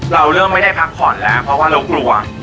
เราเริ่มไม่ได้พักผ่อนแล้วเพราะว่าเรากลัว